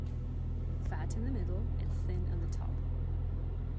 Fat in the middle and thin on the top.